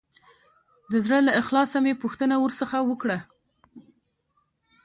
د زړه له اخلاصه مې پوښتنه ورڅخه وکړه.